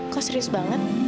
kok serius banget